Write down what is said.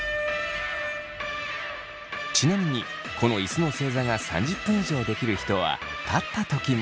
ちなみにこの椅子の正座が３０分以上できる人は立った時も。